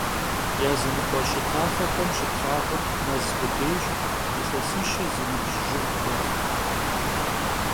Yazınıkhue ş'ı tafexem şıplhağur mez khudêyş, yilhesişe zi nıbj jjıgıjxerş.